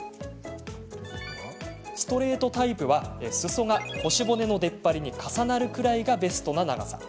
ストレートタイプは、すそが腰骨の出っ張りに重なるくらいがベストな長さ。